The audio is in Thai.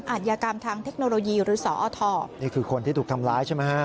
อาจยากรรมทางเทคโนโลยีหรือสอทนี่คือคนที่ถูกทำร้ายใช่ไหมฮะ